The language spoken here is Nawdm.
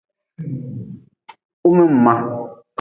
Humin ma.